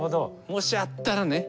「もしあったら」ね。